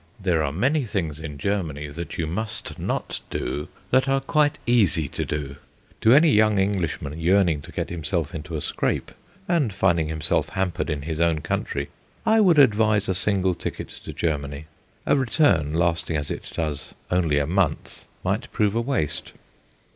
There are many things in Germany that you must not do that are quite easy to do. To any young Englishman yearning to get himself into a scrape, and finding himself hampered in his own country, I would advise a single ticket to Germany; a return, lasting as it does only a month, might prove a waste.